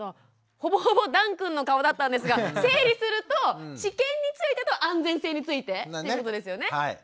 ほぼほぼだんくんの顔だったんですが整理すると治験についてと安全性についてということですよね。